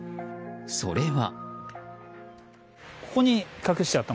それは。